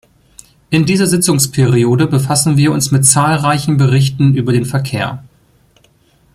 In dieser Sitzungsperiode befassen wir uns mit zahlreichen Berichten über den Verkehr.